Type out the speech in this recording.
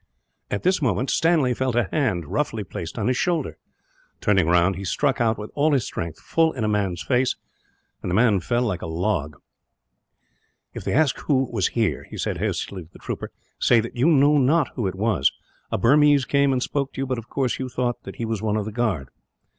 At this moment Stanley felt a hand roughly placed on his shoulder. Turning round, he struck out with all his strength, full in a man's face, and he fell like a log. "If they ask you who was here," he said hastily to the trooper, "say that you know not who it was. A Burmese came and spoke to you, but of course you thought that he was one of the guard."